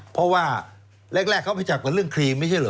เพราะว่าแรกเขาไปจับกันเรื่องครีมไม่ใช่เหรอ